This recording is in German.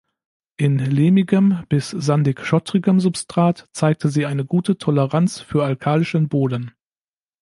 In lehmigem bis sandig-schottrigem Substrat zeigte sie eine gute Toleranz für alkalischen Boden.